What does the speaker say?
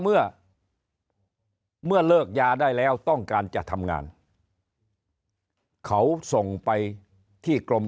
เมื่อเมื่อเลิกยาได้แล้วต้องการจะทำงานเขาส่งไปที่กรม